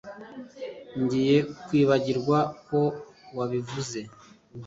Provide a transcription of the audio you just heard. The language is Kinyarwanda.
ngiye kwibagirwa ko wabivuze